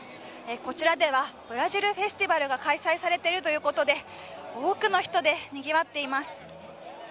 こちらではブラジルフェスティバルが開催されているということで多くの人でにぎわっています。